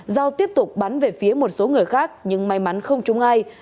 giao tiếp tục bắn về phía một số người khác nhưng may mắn không trúng ai